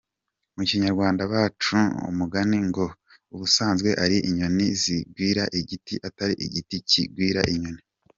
Mu kinyarwanda baca umugani ko ubusanzwe ari inyoni zigwira igiti atari igiti kigwira inyoni.